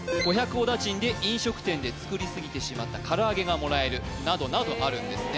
おだちんで飲食店で作りすぎてしまった唐揚げがもらえるなどなどあるんですね